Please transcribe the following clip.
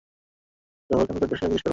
Jafferkhanpet bus নম্বর জিজ্ঞেস কর।